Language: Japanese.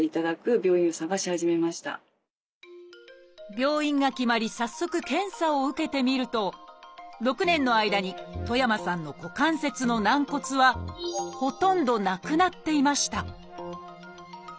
病院が決まり早速検査を受けてみると６年の間に戸山さんの股関節の軟骨はほとんどなくなっていました